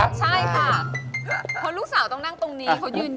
ใช่ค่ะเพราะลูกสาวต้องนั่งตรงนี้เขายืนอยู่